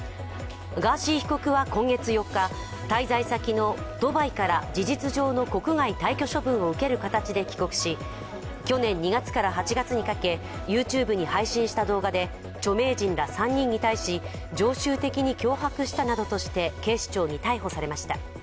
ガーシー被告は今月４日、滞在先のドバイから事実上の国外退去処分を受ける形で帰国し、去年２月から８月にかけＹｏｕＴｕｂｅに配信した動画で著名人ら３人に対し常習的に脅迫したなどとして警視庁に逮捕されました。